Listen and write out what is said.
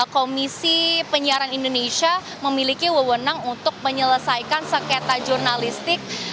komisi penyiaran indonesia memiliki wewenang untuk menyelesaikan sengketa jurnalistik